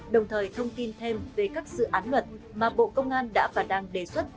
đồng thời thông tin thêm về các dự án luật mà bộ công an đã và đang đề xuất